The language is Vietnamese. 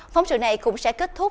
phóng sự này cũng sẽ kết thúc